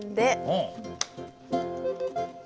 うん。